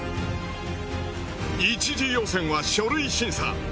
一次予選は書類審査。